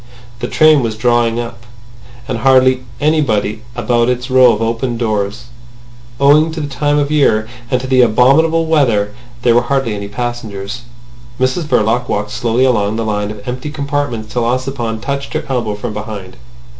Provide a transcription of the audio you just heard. The train was drawn up, with hardly anybody about its row of open doors. Owing to the time of the year and to the abominable weather there were hardly any passengers. Mrs Verloc walked slowly along the line of empty compartments till Ossipon touched her elbow from behind.